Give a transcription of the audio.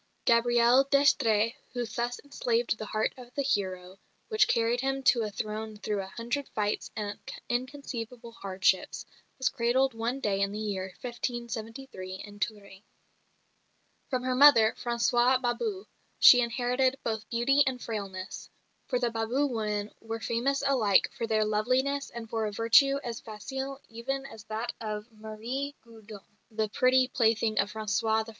Gabrielle d'Estrées who thus enslaved the heart of the hero, which carried him to a throne through a hundred fights and inconceivable hardships, was cradled one day in the year 1573 in Touraine. From her mother, Françoise Babou, she inherited both beauty and frailness; for the Babou women were famous alike for their loveliness and for a virtue as facile even as that of Marie Gaudin, the pretty plaything of François I.